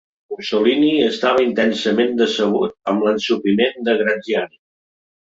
Mussolini estava intensament decebut amb l'ensopiment de Graziani.